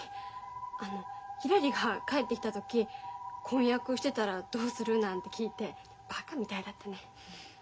あのひらりが帰ってきた時婚約してたらどうするなんて聞いてバカみたいだったね。